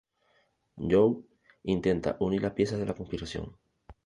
Joe intenta unir las piezas de la conspiración.